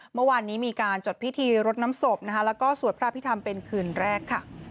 เมื่อวานนี้มีการจัดพิธีรดน้ำศพนะคะแล้วก็สวดพระพิธรรมเป็นคืนแรกค่ะ